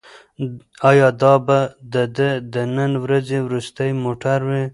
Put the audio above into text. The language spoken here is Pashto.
ایا دا به د ده د نن ورځې وروستی موټر وي؟